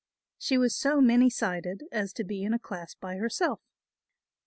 She was so many sided as to be in a class by herself.